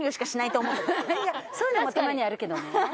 そういうのもたまにあるけどね。